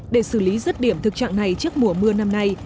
để xử lý rứt điểm thực trạng này trước mùa mưa năm nay